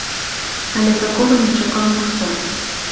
Але такога не чакаў ніхто.